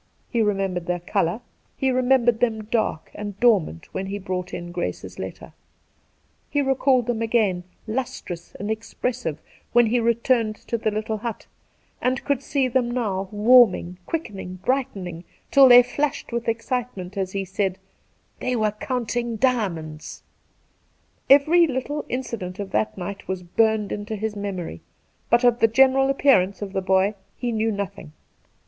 He remembered their colour, he remembered them dark and dormant when he brought in Grace's letter ; he recalled thern again, lustrous and expressive, when he returned to the little hut, and could see them now, warming, quickening, brightening, till they flashed with excitement as he said, ' They were counting diamonds.' Every little incident of that night was burned into his memory, but of the general appearance of the boy he knew nothing.